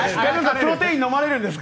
プロテイン飲まれるんですか？